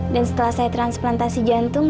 dan setelah saya transplantasi jantung